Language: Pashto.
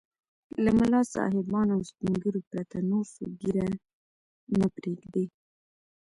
له ملا صاحبانو او سپين ږيرو پرته نور څوک ږيره نه پرېږدي.